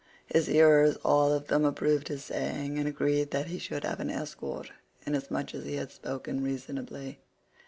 His hearers all of them approved his saying and agreed that he should have his escort inasmuch as he had spoken reasonably.